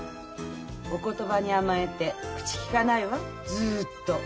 お言葉に甘えて口きかないわずっと。